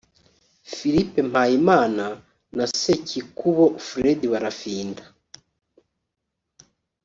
Philippe Mpayimana na Sekikubo Fred Brafinda